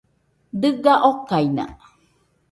Dɨga okaina.